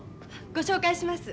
ご紹介します。